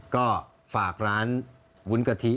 ก็ฝากร้านวุ้นกะทิ